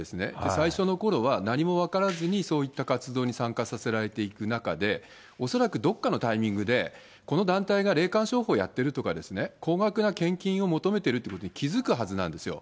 最初のころは、何も分からずにそういった活動に参加させられていく中で、恐らくどっかのタイミングで、この団体が霊感商法をやってるとかですね、高額な献金を求めてるっていうことに気付くはずなんですよ。